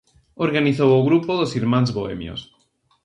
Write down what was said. Organizou o grupo dos irmáns bohemios.